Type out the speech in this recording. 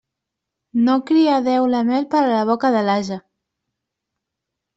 No crià Déu la mel per a la boca de l'ase.